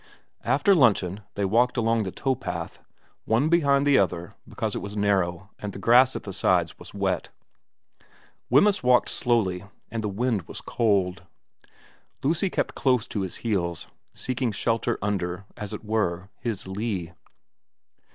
After luncheon they walked along the towpath, one behind the other because it was narrow and the grass at the sides was wet. Wemyss walked slowly, and the wind was cold. Lucy kept close to his heels, seeking shelter under, as it were, his lee.